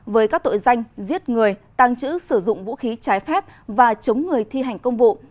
với các tội danh giết người tăng trữ sử dụng vũ khí trái phép và chống người thi hành công vụ